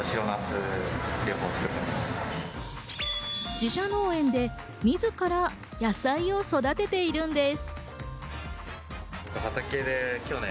自社農園で自ら野菜を育てているのです。